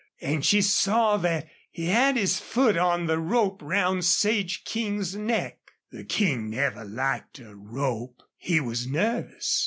And she saw that he had his foot on the rope round Sage King's neck. The King never liked a rope. He was nervous.